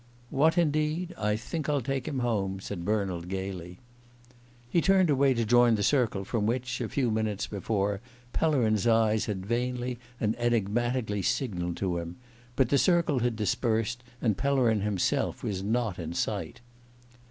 "What indeed? I think I'll take him home," said Bernald gaily. He turned away to join the circle from which, a few minutes before, Pellerin's eyes had vainly and enigmatically signalled to him; but the circle had dispersed, and Pellerin himself was not in sight.